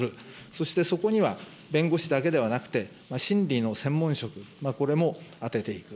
そしてそこには、弁護士だけではなく、心理の専門職、これも充てていく。